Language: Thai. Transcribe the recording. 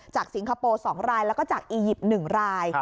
สิงคโปร์๒รายแล้วก็จากอียิปต์๑ราย